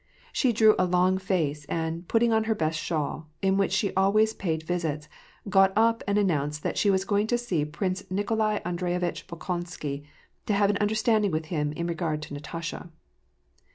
She drew a long face, and, putting on her best shawl, in which she always paid visits, she got up and announced that she was going to see Prince Nikolai Aiidreyevitch Bolkon sky, to have an understanding with him in regard to Natasha.